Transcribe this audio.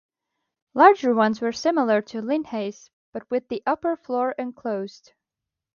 Larger ones were similar to linhays, but with the upper floor enclosed.